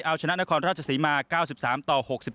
เอาชนะนครราชศรีมา๙๓ต่อ๖๗